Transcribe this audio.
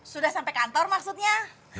sudah sampai kantor maksudnya